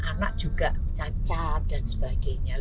anak juga cacat dan sebagainya